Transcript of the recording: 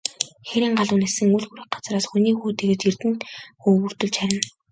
Хээрийн галуу нисэн үл хүрэх газраас, хүний хүү тэгж эрдэнэ өвөртөлж харина.